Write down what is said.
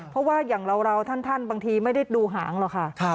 เพราะว่าอย่างเราท่านบางทีไม่ได้ดูหางหรอกค่ะ